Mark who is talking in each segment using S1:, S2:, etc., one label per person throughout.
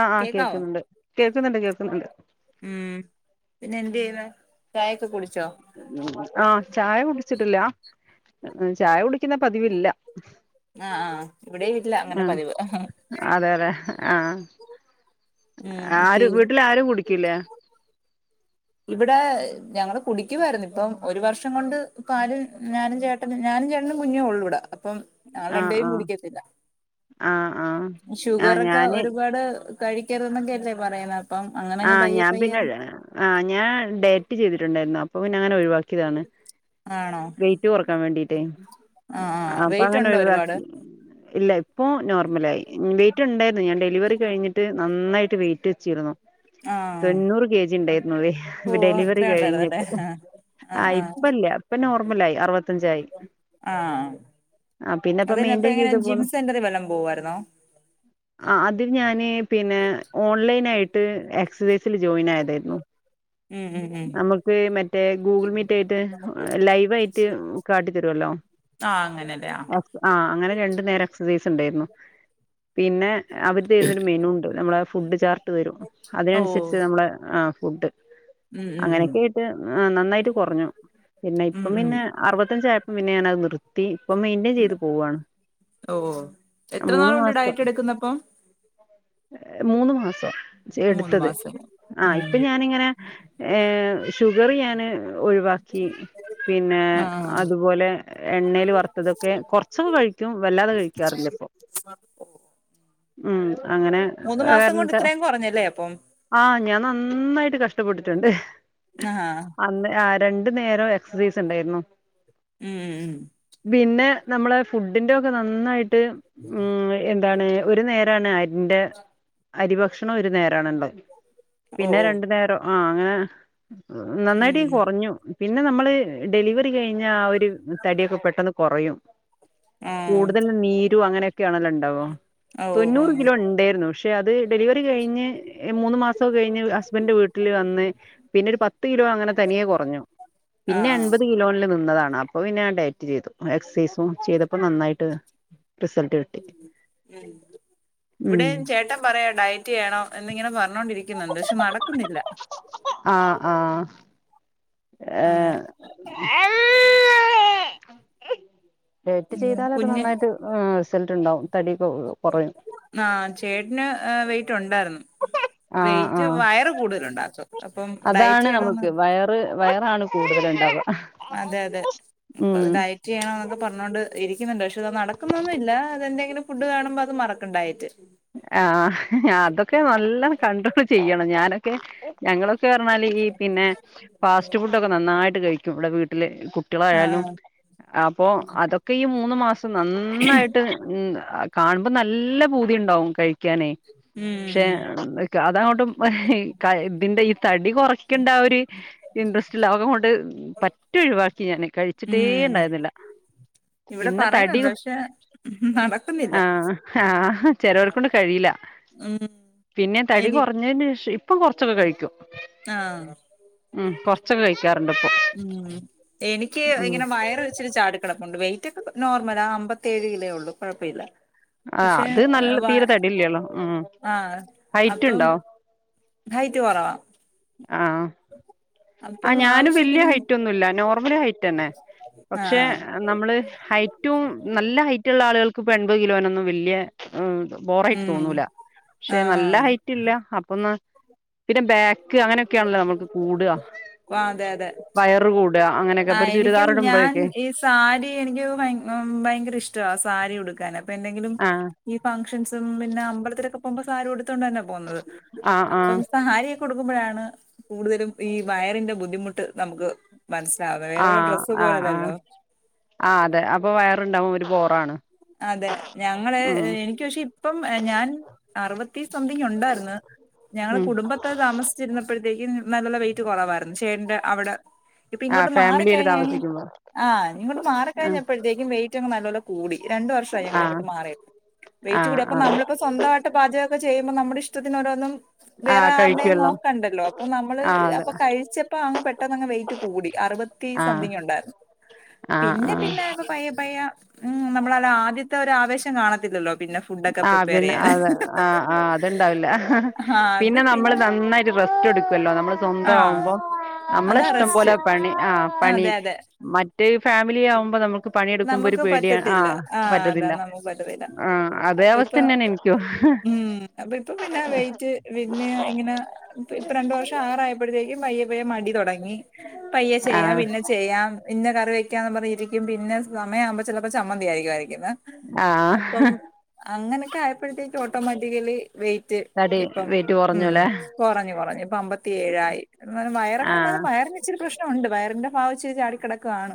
S1: ആ ആഓക്കെ
S2: കേക്കാവോ
S1: ക്കുന്നുണ്ട് കേൾക്കുന്നുണ്ട് കേൾക്കുന്നുണ്ട്
S2: ഉം പിന്നെ എന്ത് ചെയ്യുന്ന ചായൊക്കെ കുട
S1: ആഹ ചായ കുടിച്ചിട്ടില്ല ചായ കുടിക്കുന്ന പതിവില്ല
S2: ആഹ ആഹ് ഇവിടെ ഇല്ല അങ്ങനെ
S1: ആഹ്
S2: പതിവ്
S1: അതെ അതെ ആഹ്
S2: ഉം പി
S1: ആരും വീട്ടിൽ ആരും കുടിക്ക അക്കിലെ
S2: ഇവിടെ ഞങ്ങള് കുടിക്ക്മായിരുന്നു ഇപ്പം ഒരു വർഷം കൊണ്ട് ഇപ്പാലും ഞാനും ചേട്ടന ഞാനും ചേട്ടനും കുഞ്ഞേ ഉള്ളു ഇവിടെ അപ്പം ഞള
S1: ആഹ്
S2: രണ്ടയും കുടിക്കത്തില്ല
S1: ആഹ് ആഹ് ആഹ് ആഹ്
S2: ഷുഗറൊക്കെ
S1: ഞാന്
S2: ഒരുപാട് കഴിക്കരുതന്നൊക്കെയ അല്ലേ പറയ്ണത്
S1: ആഹ് ഞാൻ പിന്നെ ആ ഞാൻ ഡേറ്റ് ചെയ്തിട്ടുണ്ടായിരുന്നു അപ്പൊ പിന്നെ അങ്ങനെ ഒഴിവാ ക്കിതാണ്
S2: ആണോ
S1: വൈറ്റ് കൊറക്കാൻ വേണ്ടിട്ടെ
S2: ആഹ് ആഹ്
S1: അപ്പ
S2: വെയിറ്റ്
S1: അങ്ങനെ
S2: ഉണ്ടോ ഒരുപാട്
S1: ഒഴിവാക്കി ഇല്ല ഇപ്പോ നോർമലായി ട്ടുണ്ട് ഞൻ ടെലിവറി കഴിഞ്ഞിട്ട് നന്നായിട്ട് വെയിറ്റ് വെച്ചിരുന്നു
S2: ആഹ്
S1: തൊണ്ണൂറ് കെ ജി
S2: ഓ
S1: ഇണ്ടായിരുന്നു ഡെലിവറി
S2: അത്രേ ഉണ്ടായിരുന്നല്ലേ
S1: കഴിഞ്ഞിട്ട് ആഹ് ഇപ്പല്ല അപ്പൊ നോർമലയി അറുപത്തഞ്ചായി
S2: ആഹ്
S1: ആഹ് പിന്നെ പ്പ
S2: അതിനപ്പ
S1: മെയിന്റയിൻ
S2: എങ്ങനെ
S1: ചെയ്ത്
S2: ജിം
S1: പോന്നു
S2: സെന്ററിൽ വല്ലം പോവായിരുന്നോ
S1: ആഹ് അത് ഞാന് പിന്നെ ഓൺലൈൻ ആയി എക്സസൈസിൽ ജോയിൻ ആയതാ ഉം
S2: ഉം ഉം ഉം
S1: നമുക്ക് മറ്റേ ഗൂഗിൾ മീറ്റ് ആയിട്ട് ലൈവായിട്ട് കാട്ടി തരുമല്ലോ
S2: ആ അങ്ങനെല്ലേ ആ
S1: ആഹ് അങ്ങനെ രണ്ടു നേരം എക്സസൈസ് ഉണ്ടായിരുന്നു പിന്നെ അവര് തരുന്നൊരു മെനു ഉണ്ട് നമ്മളാ ഫുഡ് ചാർട്ട് തരും
S2: ഓ
S1: അതിനനുസരിച്ച് നമ്മള് ആഹ് ആഹ് ഫുഡ്
S2: ഉം ഉം ഉം
S1: അങ്ങനെയൊക്കെ ആയിട്ട് നന്നായിട്ട് കുറഞ്ഞു പിന്നെ
S2: ഉം
S1: ഇപ്പം
S2: ഉം
S1: പിന്നെ അറുപത്തഞ്ചായപ്പം പിന്നെയാണ് നിർത്തി ഇപ്പൊ മെയിന്റയിൻ ചെയ്ത് പോവാണ്
S2: ഓ എത്ര
S1: മൂന്ന്
S2: നാളുണ്ട്
S1: മാസം
S2: ഡയറ്റ് എടുക്കുന്നപ്പം
S1: മൂന്ന് മാസം
S2: മൂന്ന്
S1: എടുത്തത്
S2: മാസം
S1: ആഹ്
S2: ഉം
S1: ഇപ്പൊ ഞാനിങ്ങനെ ഏഹ് ഷുഗറിയാണ് ഒഴിവാക്കി പിന്നെ
S2: ആ
S1: അതുപോലെ എണ്ണെല് വറുത്തതൊക്കെ കുറച്ചൊക്കെ കഴിക്കും വല്ലാതെ കഴിക്കാറില്ല ഇപ്പൊ ഉം അങ്ങനെ
S2: മൂന്ന് മാസം കൊണ്ട്
S1: [unintelligible]
S2: ഇത്രയും കുറഞ്ഞല്ലേ അപ്പം
S1: ആ ഞാൻ നന്നായിട്ട് കഷ് ട്ടപ്പെട്ട്ട്ട്ണ്ട്
S2: ആ
S1: അന്ന് ആര്- രണ്ടു നേരോം എക്സസൈസ് ഇണ്ടായിരുന്നു
S2: ഉം ഉം
S1: നമ്മള് ഫുഡിന്റെ ഒക്കെ നന്നായിട്ട് [unintelligible] എന്താണ് ഒരു നേരാണ് അരിന്റെ അരി ഭക്ഷ ഒരു നേരണുള്ളത്.
S2: ഓ
S1: പിന്നെ
S2: ഓ
S1: രണ്ടു നേരം. ആ അങ്ങനെ. നന്നായിട്ട്
S2: ഉം
S1: കുറഞ്ഞു. പിന്നെ നമ്മള് ഡെലിവറി കഴിഞ്ഞാ ആ ഒരു തടിക്കെ പെട്ടെന്ന് കുറയും.
S2: ആ
S1: കൂടുതൽ നീരും അങ്ങനെ. [unintelligible]
S2: ഓ
S1: തൊണ്ണൂറ്
S2: ഉം
S1: കിലോ ഇണ്ടായിരുന്നു. അത് ഡെലിവ കഴിഞ്ഞ് മൂന്ന് മാസം കഴിഞ്ഞ് ഹസ്ബൻഡിന്റെ വീട്ടില് വന്ന്. പിന്നെ ഒരു പത്ത് കിലോ അങ്ങനെ തനിയെ കുറഞ്ഞു.
S2: ആ ആ
S1: പിന്നെ എൺപത് കിലോല് നിന്നതാണ്. അപ്പൊ പിന്നെ ഡയറ്റ് ചെയ്തു. എക്സസൈസും ചെയ്തപ്പോ നന്നായിട്ട്. റിസൾട്ട് കിട്ടി
S2: ഉ ഇവിടെ
S1: ഉം
S2: ചേട്ടൻ പറയാ ഡയറ്റ് ചെയേണോ എന്നിങ്ങനെ പറഞ്ഞുകൊണ്ടിരിക്കും. ക്കുന്നൊണ്ട് ക്ഷെ നടക്കുന്നില്ല.
S1: ആ ആ
S2: അങ്ങനെ
S1: ഏറ്റ്
S2: ഉം
S1: ചെയ്താലത് നന്നായിട്ട് ആ സൾട്ടണ്ടാവും തടി
S2: ആ ചേട്ടന് എ വെയിറ്റൊണ്ടാരുന്നു.
S1: ആ
S2: വെയിറ്റ്
S1: ആ
S2: വയറ് കൂടുതലുണ്ടാക്കും.
S1: അതാണ് നമുക്ക് വയറ് വയറാണ് കൂടുതലൊണ്ടാവ്വ.
S2: അതെ അതെ അപ്പത് ഡയറ്റ് ചെയ്യണംന്നൊക്കെ പറഞ്ഞോണ്ട് ഇരിക്കുന്നുണ്ട് ക്ഷെ അത് നടക്കുന്നൊന്നുഇല്ല, അതെന്തെങ്കിലും ഫുഡ് കാണുമ്പോ അത് മറക്കിണ്ടായിട്ട്.
S1: ആ അതൊക്കെ നല്ല കണ്ട്രോൾ ചെയ്യണം ഞാനൊക്കെ ഞങ്ങളൊ ക്കറഞ്ഞാല് ഈ പിന്നെ ഫാസ്റ്റ്ഫുഡോക്കെ നന്നായിട്ട് കഴിക്കും. ക്കിവിടെ വീട്ടിലെ കുട്ടിളായാലും,
S2: ആഹ്
S1: അപ്പോ, അതൊക്കെ ഈ മൂന്ന് മാസം നന്നായിട്ട് കാണുമ്പ നല്ല പൂ തീണ്ടാവും കഴി ക്കാനേ, ക്ഷേ
S2: ഉം
S1: അതങ്ങോട്ടു ഇബന്റെ ഈ തടി കൊറക്കേണ്ട ആ ഒരു ഇൻട്രസ്റ്റില്ല അതുകൊണ്ട് പറ്റെയൊഴിവാക്കി ഞാന്.
S2: ഉം
S1: കഴിച്ചിട്ടേണ്ടായിരുന്നില്ല
S2: ഇവിടെ
S1: പിന്നെ
S2: പറയുന്നുണ്ട്
S1: തടിയു
S2: പക്ഷെ നടക്കുന്നില്ല
S1: ആ ആ. ചെലവരെക്കൊണ്ട് കഴിയില്ല.
S2: ഉം
S1: പിന്നെ തടി
S2: എനി
S1: കൊറഞ്ഞേന് ശേഷം പ്പം കുറച്ചൊക്കെ കഴിക്കും
S2: ആഹ്
S1: ഉം കൊറച്ചൊക്കെ കഴിക്
S2: ഉം എനിക്ക്
S1: ഉം
S2: ഇങ്ങനെ വയറ് ഇച്ചിരെ ചാടി കെടപ്പൊണ്ട് വെയ് റ്റൊക്കിപ് നോർമലാ അമ്പത്തേഴ് കിലോയെള്ളൂ കൊഴപ്പഇല്ല.
S1: ആ അത് നല്ല തീരെ തടില്ലല്ലോ ഉം
S2: ആഹ്
S1: ഹൈറ്റ്
S2: അപ്പം
S1: ഉണ്ടോ?
S2: ഹൈറ്റ് കുറവാ
S1: ആ
S2: അപ്പം
S1: ഞാനും വല്ല്യ
S2: ആവശ്യത്തിന്
S1: ഹൈറ്റൊന്നുല്ല നോർമല് ഹൈറ്റന്നെ പക്ഷെ
S2: ആഹ്
S1: നമ്മള് ഹൈറ്റ് റ്റോം നല്ല ഹൈറ്റുള്ള ആളുകൾക്ക് ഇപ്പോ എൺപത് കിലോനൊന്നും വെല്ല്യ ഉം. ബോറായിട്ട്
S2: ഉം
S1: തോന്നൂല, പക്ഷെ നല്ല
S2: ആഹ്
S1: ഹൈറ്റ് ഇല്ല അപ്പന്ന പിന്നെ ബാക്ക് അങ്ങനൊക്കെയാണല്ലോ നമ്മക്ക് കൂടുക.
S2: ഓ അതെ അതെ.
S1: അങ്ങനെയൊക്കെ
S2: ആ
S1: ഇപ്പൊരു
S2: എനിക്കും ഞാൻ
S1: ചുരിദാറിടുമ്പഴേക്കെ
S2: ഈ സാരി എനിക്ക് ഭയങ്കര ഇഷ്ടമാണ് സാരി കൊടുക്കാന ഇപ്പ എന്തെങ്കിലും
S1: ആഹ്
S2: ഈ ഫംഗഷൻസും പിന്നെ അമ്പലത്തിലൊക്കെ പോക്പോ സാരി ഉട് തോണ്ട് തന്ന പോകുന്നത്
S1: ആഹ്
S2: അപ്പ
S1: ആഹ്
S2: സാരി ക്കുമ്പോഴാണ് കൂടുതലും ഈ വയറിന്റെ ബുദ്ധിമുട്ട് നമുക്ക് മനസ്
S1: ആഹ് ആഹ് ആഹ് ആ അതെ അപ്പൊ വയറുണ്ടാവും ഒരു ബോ ട്ടാണ്
S2: അതെ ഞങ്ങള് എനിക്ക് പക്ഷെ ഇപ്പം ഞാൻ അറുപത്തി സംതിങ് ഉണ്ടായിരുന്നു ഞങ്ങളുടെ
S1: ഉം
S2: കുടുംബത്തെ താമസിച്ചിരുന്നപ്പോഴത്തേക്കും നല്ല വെയിറ്റ് കുറവായിരുന്നു ചേന്റെ അവിടെ ഇപ്പൊ
S1: ആഹ്
S2: ഇങ്ങോട്ട്
S1: ഫാമിലിയില്
S2: മാറികഴിഞ്ഞു കഴി
S1: താമസിക്കുമ്പോ
S2: ആ ഇങ്ങോട്ട്
S1: ആഹ്
S2: മാറിക്കഴിഞ്ഞപ്പോഴത്തേക്കും വെയിറ്റ്ങ്ങു നല്ലല്ലോ കൂടി രണ്ടു വർഷമായി ഞങ്ങളെ
S1: ആഹ്
S2: ഇങ്ങോട്ട് മാറിയിട്ട് വെയിറ്റ്
S1: ആഹ്
S2: കൂടി അപ്പൊ
S1: ആഹ്
S2: നമ്മളിപ്പോ സ്വന്തമായിട്ട് പാചകം ഒക്ക ചെയ്യുമ്പോ നമ്മുടെ ഇഷ്ടത്തിനോരോന്നും വേറെ
S1: ആഹ്
S2: ആരുടേം
S1: കഴിക്കുവല്ലോ
S2: നോക്കണ്ടല്ലോ അപ്പൊ നമ്മള്
S1: ആഹ് അതെ
S2: അപ്പൊ കഴിച്ചപ്പോ അങ്ങ് പെട്ടെന്ന് അങ്ങ് വെയിറ്റ് കൂടി അറുപത്തി
S1: ആഹ്
S2: സംതിങ് ഉണ്ടായിരുന്നു
S1: ആഹ്
S2: പിന്നെ
S1: ആഹ്
S2: പിന്നെ ഇപ്പ പയ്യ പയ്യ ആ നമ്മളല്ല ആദ്യത്തെ ഒരു ആവേശം കാണത്തില്ലല്ലോ പിന്നെ ഫുഡൊക്കെ
S1: ആ
S2: പ്രിപ്പയർ
S1: പിന്നെ
S2: ചെയ്യാൻ
S1: അതെ ആ ആ അത്ണ്ടാവില്ല
S2: ആ അത്
S1: പിന്നെ നമ്മള് നന്നായിട്ട് റ്റടുക്കുവല്ലോ നമ്മടെ സ്വന്ത
S2: ആ
S1: ആവുമ്പോ നമ്മള
S2: അതാ
S1: ഇഷ്ടം പോലെ
S2: റെസ്റ്റ്
S1: പണി ആ പണി
S2: അതെ അതെ
S1: മറ്റെ ഫാമിലി ആകുമ്പോ നമുക്ക് പണിയെടുക്കുമ്പോ ഒരു
S2: നമുക്ക്
S1: പേടിയ ആ
S2: പറ്റത്തില്ല
S1: പറ്റത്തില്ല ആ
S2: അപ്പ ഇപ്പ ഉം അപ്പ ഇപ്പൊ പിന്നെ വൈറ്റ് പിന്നെ ഇങ്ങനെ ഇപ്പ രണ്ട വർഷം ആറായപ്പോഴത്തേക്കും ഇപ്പഴേ മടി തൊടങ്ങി പയ്യെ ചെയ്യാം
S1: ആഹ്
S2: പിന്നെ ചെയ്യാം എന്ന് വെക്കാന്ന് പറഞ്ഞരിക്കും പിന്നെ സമയാവുമ്പോ ചിലപ്പോൾ ചമ്മന്തി ആയിരിക്കും ഇവൻ
S1: ആഹ്
S2: അപ്പം അങ്ങനെ കായപ്പഴത്തെക്ക് ഓട്ടോമാറ്റിക്കലി വെയിറ്റ്
S1: തടി
S2: ഇപ്പം
S1: വെയിറ്റ്
S2: ഉം
S1: കുറഞ്ഞൂല്ലേ
S2: കൊറഞ്ഞു കൊറഞ്ഞു ഇപ്പ അമ്പത്തി ഏഴായി എന്നാലും വയറൊക്കെ
S1: ആഹ്
S2: എന്നാലും വയറി ഇച്ചിരി പ്രശ്നം ലും ഒ ണ്ട് വയറിന്റെ ഭാവിച്ചരി ചാടിക്കിടക്കാണ്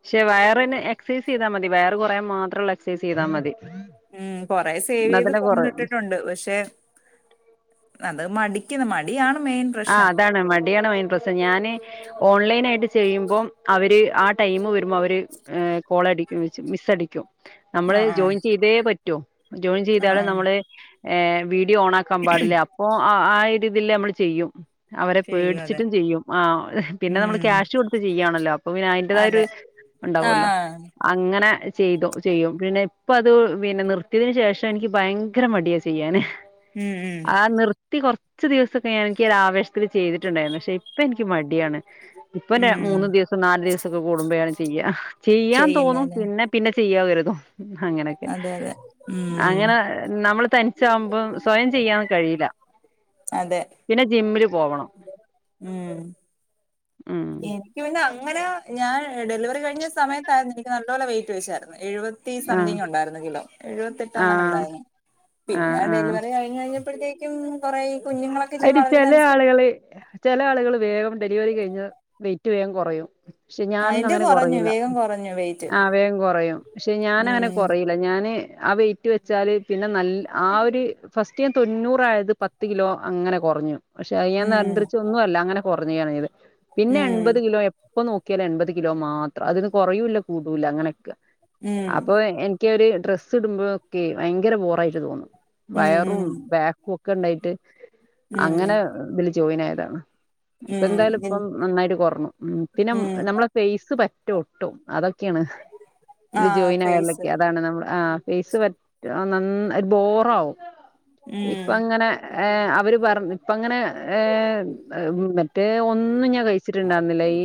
S1: പക്ഷെ വയർ തന്നെ എക്സൈസ് ചെയ്തൽ മതി വയറ് കുറ മാത്രമല്ല എക്സൈസ് ചെയതാൽ മതി
S2: ഉം കൊറ സേവ്
S1: എന്നാ
S2: ചെയ്ത്
S1: തന്നെ കുറയും
S2: ഫോൺട്ടിട്ടുണ്ട് പക്ഷെ മടിക്കുന്ന മടിയാണ് മെയിൻ
S1: ആ
S2: പ്രശ്നം
S1: അതാണ് മടിയാണ് മെയിൻ പ്രശ്നം ഞാന് ഓൺലൈൻ ആയിട്ട് ചെയ്യുമ്പോം അവര് ആ ടൈമ് വരുമ്പോ അവര് കോളടിക്കും വെച്ച് മിസ് അടിക്കും നമ്മള്
S2: ആഹ് ആഹ്
S1: ജോയിൻ ചെയ്തേ പറ്റ് പറ്റോ ജോയിൻ
S2: ആഹ്
S1: ചെയ്താല്
S2: ആഹ്
S1: നമ്മള് ഏ വീ ഓണ ആക്കാൻ പാടില്ലേ അപ്പോ അഹ് രീതിയിൽ നമ്മൾ ചെയ്യും അവരെ
S2: ചെയ്യും അതെ
S1: പേടിച്ചിട്ടും ചെയ്യും ആ പിന്നെ നമ്മള്
S2: ഉം
S1: ക്യാഷ് കൊടുത്ത് ചെയ്യാണല്ലോ അപ്പൊ പിന്നെ അതിന്റതായരു
S2: അതെ
S1: ഉണ്ടാവല്ലോ
S2: ആഹ്
S1: അങ്ങനെ ചെയ്തോ ചെയ്യും പിന്നെ ഇപ്പ അത് പിന്നെ നിർത്തിയതിനന് ശേഷം എനിക്ക് ഭയങ്കര മടിയാ ചെയ്യാന്
S2: ഉം ഉം
S1: റ്റി കുറച്ച് ദിവസൊക്കെ ഞാ എ ആവേശത്തിൽ ചെയ്തിട്ടുണ്ടായിരുന്നു പക്ഷെ ഇപ്പം എനിക്ക് മടിയാണ് ഇപ്പൊ
S2: ഉം
S1: മൂന്നു ദിവസം നാല് ദിവസം ഒക്കെ കൂടുമ്പോഴണെങ്ക ചെയ്യാ ചെയ്യാൻ തോന്നും
S2: ചെയ്യുന്നല്ലേ
S1: പിന്നെ പിന്നെ ചെയ്യാതിരിന്നോ അങ്ങനെയൊക്കെ
S2: അതെ അതെ ഉം
S1: അങ്ങനെ നമ്മൾ തനി ചമ്പം [inaudible] സ്വയം ചെയ്യാന്ന് കഴിയില്ല
S2: അതെ
S1: ജിമ്മില് പോവണം
S2: ഉം
S1: ഉം
S2: എനിക്ക് പിന്നെ അങ്ങനെ ഞാൻ ഡെലിവറി കഴിഞ്ഞ സമയത്തായിരുന്നു എനിക്ക് നല്ല പോലെ വെയി സ [inaudible] എഴുപത്തി
S1: ആഹ്
S2: സംതിങ് ഉണ്ടായിരുന്നു കിലോ എഴുപത്തിട്ട് അങ്ങനെ
S1: ആഹ്
S2: ഉണ്ടായിരുന്നു പിന്നെ
S1: ആഹ്
S2: ഡെലിവറി കഴിഞ്ഞഞ് കഴിഞ്ഞ അപ്പോഴത്തേക്കും കുറ
S1: അതിര് ചില ആളുകള് ചില ആളുകൾ വേഗം ഡെലിവറി കഴിഞ്ഞ വെയിറ്റ് വേഗം കുറയും പക്ഷെ
S2: ആ
S1: ഞാനൊന്നും
S2: എന്റെ
S1: അങ്ങനെ
S2: കുറഞ്ഞു
S1: കൊറയില്ല
S2: വേഗം കുറഞ്ഞു വെയിറ്റ്
S1: അവരും കൊറയും പക്ഷെ ഞാനങ്ങനെ
S2: ഉം
S1: കൊറയില്ല ഞാന് ആ വെയിറ്റ് വെച്ചാല് പിന്നെ നല്ല ആ ഒരു ഫസ്റ്റ് ഞാൻ തൊണ്ണൂറായത് പത്ത് കിലോ അങ്ങനെ കുറഞ്ഞു പക്ഷെ അയ്യൻ
S2: ഉം
S1: നരിയന്ത്രിച്ച ഒന്നുമല്ല അങ്ങനെ [unintelligible] പിന്നെ എൺപത്
S2: ഉം
S1: കിലോ ഇപ്പൊ നോക്കിയാല് എൺപത് കിലോ മാത്രം അതിൊന്ന് കുറയൂല്ല കൂടൂല അങ്ങനെയൊക്കെ
S2: ഉം
S1: അപ്പൊ എനിക്കൊരു ഡ്രസ്സ് ഇടുമ്പോഴൊക്കെ ഭയങ്കര ബോറായിട്ട് തോന്നും
S2: ഉം
S1: വയറും ബാക്കും ഒക്കെ ഉണ്ടായിട്ട് അങ്ങനെ
S2: ഉം
S1: വിള ജോയിൻ ആയതാണ് ഇപ്പ
S2: ഉം
S1: എന്തായാലും
S2: ഉം
S1: ഇപ്പം നന്നായിട്ട് കൊറഞ്ഞു പിന്നെ
S2: ഉം
S1: നമ്മളെ ഫേസ് ട്ടും അതൊക്കെ ാണ്
S2: ആ
S1: ഇ ജോയിൻ
S2: ഫേസ്
S1: ആയുള്ളക്കെ അതാണ് നമ്മൾ ആ പേസ് പറ്റ നന്ന ബോറ ആാവവും ഇപ്പൊ
S2: ഉം
S1: ഇങ്ങനെ ഏ അവര് പറഞ്ഞ ഇപ്പ അങ്ങനെ മറ്റേ ഒന്നും ഞാൻ കഴിച്ചിട്ടുണ്ടായിരുന്നില്ല ഈ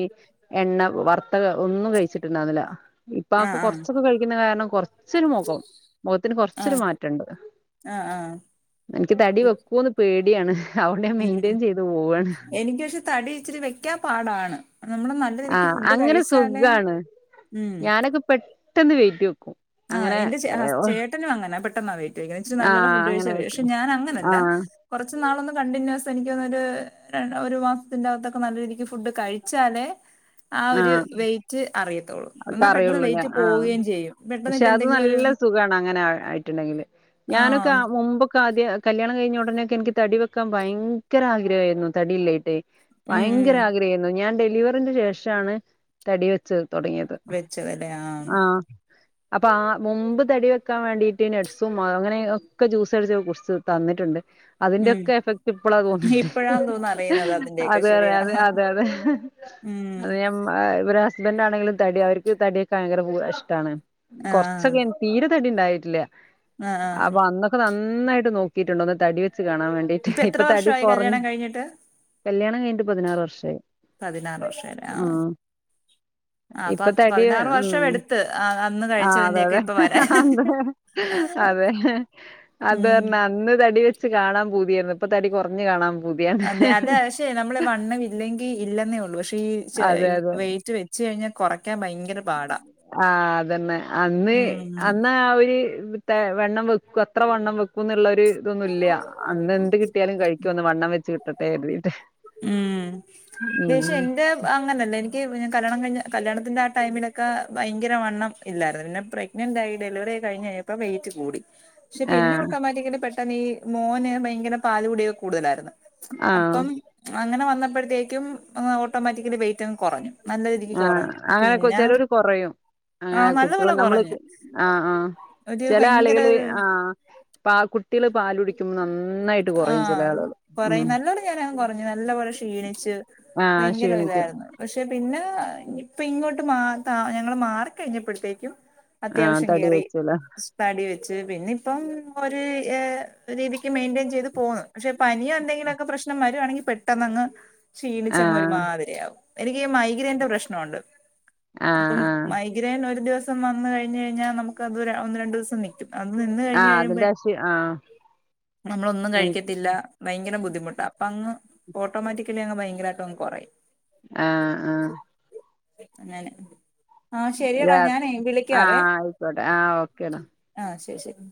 S1: എണ്ണ വറുത്ത ഒന്നും കഴിച്ചിട്ടുണ്ടാവുന്നില്ല ഇപ്പാ
S2: ആ ആ
S1: കുറച്ചൊക്കെ കഴിക്കുന്ന കാരണം ച്ചൊരു മുഖം മുഖത്തിന്
S2: ആ
S1: കൊറച്ചൊരു മാറ്റെണ്ട്
S2: ആ ആ
S1: എനിക്ക് തടി വെക്കൂന്ന് പേടിയാണ് അതുകൊണ്ട് ഞാൻ
S2: ഉം
S1: മെയിന്റെയിൻ ചെയ്ത് പോവാണ്
S2: എനിക്ക് പക്ഷെ തടി ഇച്ചിരി വെക്കാൻ പാടാണ് നമ്മള് നല്ലരീതിക്കു
S1: ആ
S2: എനിക്ക് ഫുഡ്
S1: അങ്ങനെ
S2: കഴിച്ചാലേ
S1: സുഖാണ്
S2: ഉം
S1: ട്ടെന്ന് വെയിറ്റ് വെക്കും
S2: ആ
S1: അങ്ങനെ
S2: എന്റെ ചെ ഹസ് ചേട്ടനും അങ്ങന ബട് ട്ടെന്ന വെയ് [unintelligible] ച്ച് നല്ല
S1: ആഹ്
S2: ഫുഡ്
S1: അങ്ങനെ
S2: കഴിച്ചാ
S1: വെക്കും
S2: വക്ഷെഞാൻ അങ്ങനല്ല
S1: ആഹ്
S2: കുറച്ച് നാളൊന്നു കണ്ടിന്യൂസ് എനിക്ക്ന്ന ഒരു രൺ ഒരു മാസത്തിന്റെകത്തൊക്കെ നല്ല രീതിക്ക് ഫുഡ് കഴിച്ചാലേ ആ ഒരു
S1: ആഹ്
S2: വെയ്റ്റ് അറിയത്തുള്ളൂ എന്നാ പെട്ടെന്ന്
S1: കറിയുള്ളൂല്ലേ
S2: വെയിറ്റ്
S1: ആഹ്
S2: പോവുകയും ചെയ്യും പെട്ടെന്ന്
S1: പക്ഷെ
S2: ഇപ്പ
S1: അത്
S2: എന്തെങ്കിലും ഒരു
S1: നല്ല സുഖാണ് അങ്ങനെ ആ ആയിട്ടുണ്ടെങ്കില്
S2: ആ
S1: ഞാനൊക്കെ
S2: ഉം
S1: മുമ്പൊക്കെ ആദ്യം കല്യാണം കഴിഞ്ഞ ഉടനെക്കെ എനിക്ക് തടി വെക്കാൻ ബയ്ങ്കര ആഗ്രഹാരുന്നു തടിയില്ലെയിട്ട്
S2: ഉം
S1: ബയ്ങ്കര ആഗ്രഹായിരുന്നു ഞാൻ ഡെൽ ഡെലിവറിന്റെ ശേഷം റ്റാണ് തടി വെച്ചത് തൊടങ്ങിയത് ആ അപ്പൊ ആ മുമ്പ് തടി വെക്കാൻ വേണ്ടിട്ട് നട്‌സും അങ്ങനെ ഒക്കെ ജ്യൂസ് അടിച്ച് കുടിച്ച് തന്നിട്ടെണ്ട്.
S2: ഉം
S1: അതിൻ്റൊക്കെ എഫക്ട് ഇപ്പളാ തോന്നണ്ട്
S2: ഇപ്പഴാന്ന് തോന്നുന്നു അറിയുന്നത് അതിന്റെയൊക്കെ
S1: അതെ
S2: ശരിയാ
S1: അതെ അതെ അതെ
S2: ഉം
S1: അത് ഞമ്മ ഇവര ഹസ്ബന്റ് ആണെങ്കിലും തടിയാ അവര്ക്ക് തടിയൊക്കെ ഭയങ്കര [unintelligible] ഇഷ്ടാണ്
S2: ആ
S1: കൊറച്ചൊക്കെൻ തീരെ തടി ഇണ്ടായിട്ടില്ല
S2: ആ ആ
S1: അപ്പൊ അന്നൊക്കെ നന്ന് നന്നായിട്ട് നോക്കിട്ടുണ്ട് ഒന്ന് തടി വെ ച്ച് കാണാൻ വേണ്ടീട്ട്
S2: എത്ര
S1: ഇപ്പൊ തടി
S2: വർഷമായി
S1: കൊറഞ്ഞ്
S2: കല്യാണം കഴിഞ്ഞിട്ട്
S1: കല്യാണം കഴിഞ്ഞിട്ട് പതിനാറ് വർഷായി.
S2: പതിനാറ് വർഷംല്ലേ
S1: ആ.
S2: ആ
S1: ഇപ്പ
S2: പത്ത്
S1: തടി
S2: പതിനാറ് വർഷം
S1: ഉം
S2: എടുത്ത് ആ, അന്ന്
S1: ആ അതെ
S2: കഴിച്ചതിന്റെയൊക്കെ
S1: അതെ
S2: ഇപ്പൊ വരാൻ
S1: ആന്താ അതെ. അത്
S2: ഉം
S1: പറഞ്ഞ് അന്ന് ത തടി വെച്ച് കാണാൻ പൂതിയായിരുന്നു. ഇപ്പ തടി കൊറഞ്ഞ് കാണാം
S2: അതെ അതെക്ഷെ നമ്മള് വണ്ണം ഇല്ലെങ്കി ഇല്ലെന്നേ ഉള്ളൂ പക്ഷേ ഈ ക്ഷെ
S1: അതെ അതെ
S2: വെയിറ്റ് വെച്ച് കഴിഞ്ഞാ കൊറക്കാൻ ഭയങ്കര ബാടാ
S1: ആ
S2: ഇം
S1: ര് തെ വണ്ണം വെക്കു അത്ര വണ്ണം വെക്കും എന്നുളളവര് ഇതൊന്നും ഇല്ല അന്ന് എന്ത് കിട്ടിയാലും കഴിക്കുവന്ന് വണ്ണം വെച്ച് കിട്ട ട്ടൊറീട്ടെ
S2: ഉം ദേഷ്യം എന്റെ- അങ്ങന അല്ല എനിക്ക് കല്യാണം കഴിഞ്ഞ് കല്യാണത്തിൻ്റെ ആ ടൈമിലൊക്കെ ഭയങ്കര വണ്ണം ഇല്ലായിരുന്ന് പിന്നെ പ്രഗ്നൻ്റ് ആയി ഡെലിവറിയൊകഴിഞ്ഞ് ഇപ്പോ വെയിറ്റ് കൂടി പക്ഷെ
S1: ആ
S2: പിന്നെ ഓട്ടോമാറ്റിക്ക്ന് പെട്ട് തന്നീ മോന് ഭയങ്കര പാലുകുടി കൂടുതലായിരുന്ന്
S1: ആ
S2: അപ്പം അങ്ങനെ വന്നപ്പോഴത്തേക്കും അങ്ങ് ഓട്ടോമാറ്റിക്കലി വെയിറ്റങ്ങ്-
S1: ആ അങ്ങനെ ചെലവര് കൊറയും
S2: ആ
S1: അങ്ങനെ
S2: നല്ല
S1: കുട്ടികള്
S2: പോലെ
S1: നമ്മള്
S2: കുറഞ്ഞു
S1: ആ ആ
S2: ഒരു
S1: ചെല ആളുകള്
S2: ഭയങ്കര
S1: ആ പാ കുട്ടികള് പാലു കുടിക്കുമ്പോ നന്നായിട്ട് കൊറയും ചെല ആളുകള് ഉം
S2: കുഞ്ഞ് നല്ല പോലെ ക്ഷീണിച്ച്
S1: ആ
S2: ഭയങ്കര
S1: ക്ഷീണിക്കും
S2: ഒര്തായിരുന്നു പക്ഷെ പിന്നെ ഇപ്പ ഇങ്ങോട്ട് മാ താ ഞങ്ങള് മാറിക്കഴിഞ്ഞപ്പോഴത്തേക്കും
S1: ആ
S2: അത്യാവശ്യം
S1: തടി
S2: കേറി
S1: വെച്ചല്ലേ
S2: തടിവെച്ച് പിന്നെ ഇപ്പ് ഇപ്പം ഒരു ഏ രീതി ക്ക് മെയ്ൻ്റെയിൻ ചെയ്ത് പോന്ന് പക്ഷെ പനിയോ എന്തെങ്കിലൊക്കെ പ്രശ്നം വരുവാണെങ്കി- പെട്ടെന്ന് അങ്ങ് ക്ഷീണിച്ച്
S1: ആ
S2: അങ്ങ് ഒരു മാതിരിയാവും എനിക്ക് ഈ മൈഗ്രയിന്റെ പ്രശ്നുണ്ട്
S1: ആഹ്
S2: അപ്പം
S1: ആഹ്
S2: മൈഗ്രൈൻ ഒരു ദിവസ ദിവസം വന്ന് കഴിഞ്ഞുകഴിഞ്ഞാൽ നമുക്കത് ഒന്ന് രണ്ട് ദിവസം നി - അത് നിന്ന്
S1: ആഹ്
S2: കഴിഞ്ഞുകഴിയുമ്പോ
S1: അതിന്റെ അശി ആഹ്
S2: നമ്മളൊന്നും
S1: എനിക്ക്
S2: കഴിക്കത്തില്ല ഭയങ്കര ബുദ്ധിമുട്ടാ അപ്പൊ അങ്ങ്- ഓട്ടോമാറ്റിക്കലി അങ്ങ് ഭയങ്കരമായിട്ട് അങ്ങ് കുറയും
S1: ആഹ് ആഹ്
S2: അങ്ങനെ ആഹ് ശരിയടാ
S1: രാ
S2: ഞാനേ വിളിക്കാവേ
S1: ആഹ് ആയിക്കോട്ടെ ആഹ് ഓക്കേടാ
S2: ആഹ് ശരി ശരി